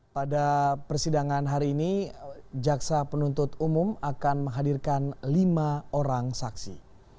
pada persidangan hari ini jaksa penuntut umum akan menghadirkan lima orang saksi